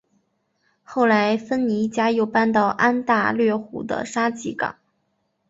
后来芬尼一家又搬到安大略湖的沙吉港。